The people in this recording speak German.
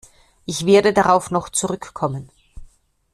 Ich werde darauf noch zurückkommen.